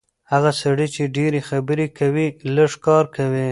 هغه سړی چې ډېرې خبرې کوي، لږ کار کوي.